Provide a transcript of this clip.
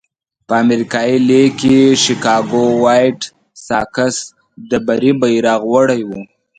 په امریکایي لېګ کې شکاګو وایټ ساکس د بري بیرغ وړی وو.